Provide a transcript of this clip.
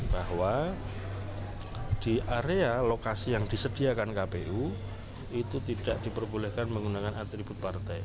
bahwa di area lokasi yang disediakan kpu itu tidak diperbolehkan menggunakan atribut partai